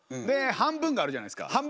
で「半分」があるじゃないですか。